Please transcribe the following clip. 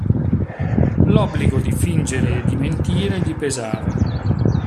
L'obbligo di fingere e di mentire gli pesava.